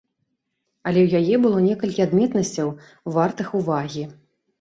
Але ў яе было некалькі адметнасцяў, вартых увагі.